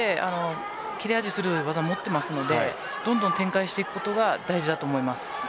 切れ味鋭い技を持っているのでどんどん展開していくことが大事だと思います。